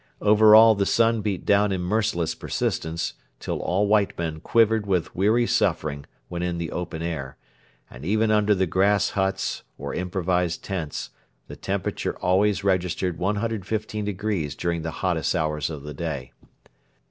Over all the sun beat down in merciless persistence, till all white men quivered with weary suffering when in the open air, and even under the grass huts or improvised tents the temperature always registered 115° during the hottest hours of the day.